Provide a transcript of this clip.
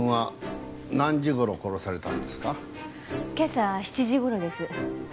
今朝７時頃です。